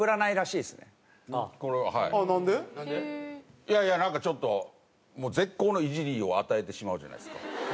いやいやなんかちょっともう絶好のイジりを与えてしまうじゃないですか。